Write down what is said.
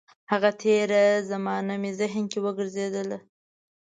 هغه تېره زمانه مې ذهن کې وګرځېدله.